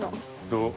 どう？